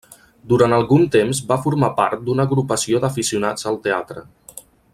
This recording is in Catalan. Durant algun temps va formar part d'una agrupació d'aficionats al teatre.